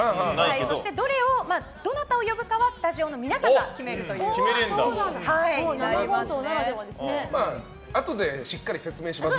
そしてどなたを呼ぶかはスタジオの皆さんが決めるということになります。